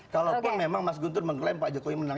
kalaupun memang mas guntur mengklaim pak jokowi menang